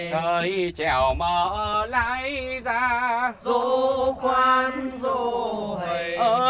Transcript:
thời chèo mở lái ra dô khoan dô hầy